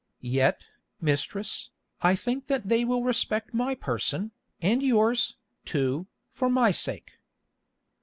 "Yet, mistress, I think that they will respect my person, and yours, too, for my sake."